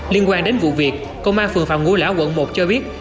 liên quan đến vụ việc công an phường phạm ngũ lão quận một cho biết